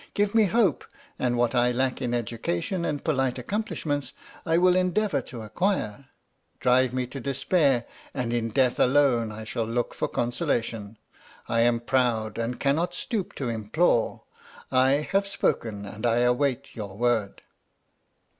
" Give me hope, and what I lack in education and polite accomplishments, I will endeavour to acquire. Drive me to despair, and in death alone I shall look for consolation. I am proud, and cannot stoop to implore. I have spoken and I await your word."